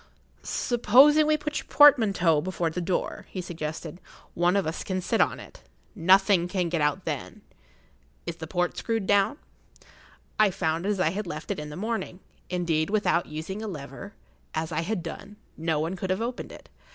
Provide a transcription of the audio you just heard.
"Supposing we put your portmanteau before the door," he suggested. "One of us can sit on it. Nothing can get out then. Is the port screwed down?" I found it as I had left it in the morning. Indeed, without using a lever, as I had done, no one could have opened it.